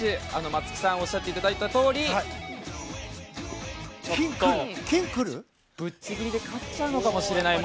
松木さんおっしゃっていただいたとおりぶっちぎりで勝っちゃうのかもしれない。